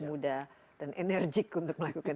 muda dan enerjik untuk melakukan